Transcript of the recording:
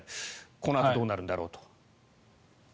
このあとどうなるんだろうと。